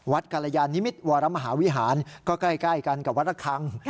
กรยานิมิตรวรมหาวิหารก็ใกล้กันกับวัดระคัง